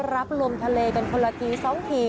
รับลมทะเลกันคนละที๒ที